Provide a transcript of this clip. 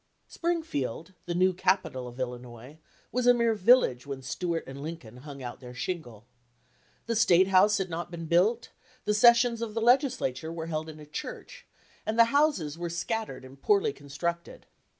Springfield, the new capital of Illinois, was a mere village when Stuart & Lincoln hung out their shingle. The state house had not been built, the sessions of the legislature were held in a church, and the houses were scattered 73 LINCOLN THE LAWYER and poorly constructed.